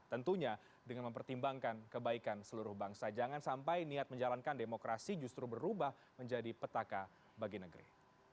tentunya dengan mempertimbangkan kebaikan seluruh bangsa jangan sampai niat menjalankan demokrasi justru berubah menjadi petaka bagi negeri